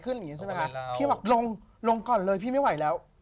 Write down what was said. พูดข้างล่างดีกว่าไม่ไหว